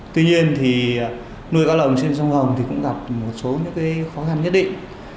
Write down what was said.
tuy nhiên thì nuôi cá lồng trên sông hồng thì cũng gặp một số những khó khăn nhất định